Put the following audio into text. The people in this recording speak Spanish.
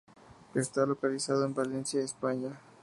Está localizado en Valencia, España.